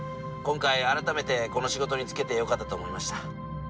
今回改めてこの仕事に就けてよかったと思いました。